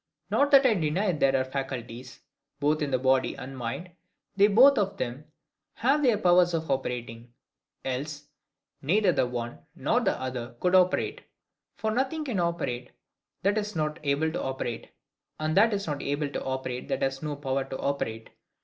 Not that I deny there are faculties, both in the body and mind: they both of them have their powers of operating, else neither the one nor the other could operate. For nothing can operate that is not able to operate; and that is not able to operate that has no power to operate.